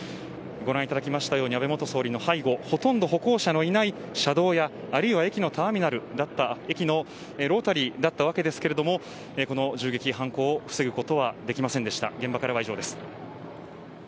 ご覧いただきましたように安倍晋三の後ろはほとんど歩行者のいない車道やあるいは駅のターミナルだった駅のロータリーだったわけですがこの銃撃、犯行を防ぐことはできませんでした。